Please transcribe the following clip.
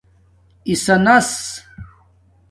اسݳنس